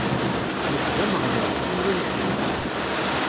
Nekk d Ameɣlal, Illu-nsen.